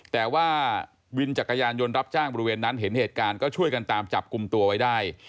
แต่ว่าวินจักรยานยนต์รับจ้างบริเวณนั้นเห็นเหตุการณ์ก็ช่วยกันตามจับกลุ่มตัวไว้ได้